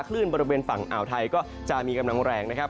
คลื่นบริเวณฝั่งอ่าวไทยก็จะมีกำลังแรงนะครับ